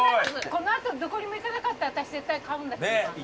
この後どこにも行かなかったら私絶対買うんだけど。